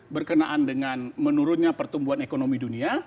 berkenaan dengan menurunnya pertumbuhan ekonomi dunia